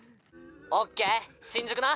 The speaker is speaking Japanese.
オッケー新宿な。